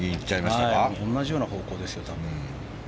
同じような方向ですよ、多分。